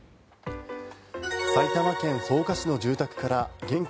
埼玉県草加市の住宅から現金